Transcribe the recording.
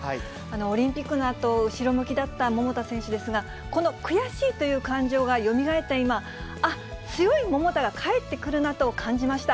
オリンピックのあと、後ろ向きだった桃田選手ですが、この悔しいという感情がよみがえった今、あっ、強い桃田が帰ってくるなと感じました。